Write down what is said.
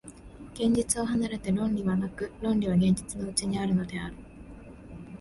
現実を離れて論理はなく、論理は現実のうちにあるのである。